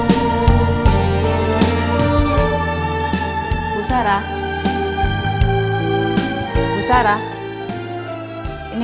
maya sudah sampai